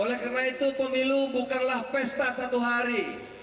oleh karena itu pemilu bukanlah pesta satu hari